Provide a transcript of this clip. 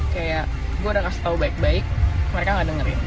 kayak gue udah kasih tau baik baik mereka gak dengerin